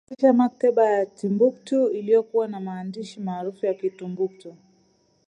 Alianzisha maktaba ya Timbuktu iliyokuwa na maandishi maarufu ya Timbuktu